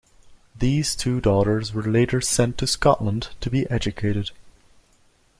These two daughters were later sent to Scotland to be educated.